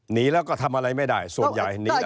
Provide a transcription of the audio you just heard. หนีแล้วก็ทำอะไรไม่ได้ส่วนใหญ่หนี